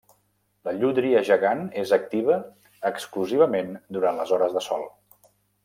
La llúdria gegant és activa exclusivament durant les hores de sol.